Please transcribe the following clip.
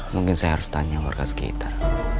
mungkin saya harus tanya warga sekitar